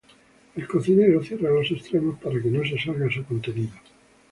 El cocinero cierra los extremos para que no se salga su contenido.